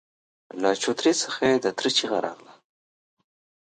له چوترې څخه يې د تره چيغه راغله!